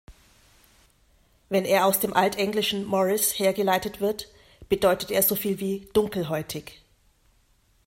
Wenn er aus dem Altenglischen "Morris" hergeleitet wird, bedeutet er so viel wie „dunkelhäutig“.